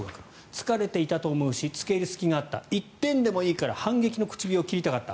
疲れていたし付け入る隙があった１点でもいいから反撃の口火を切りたかった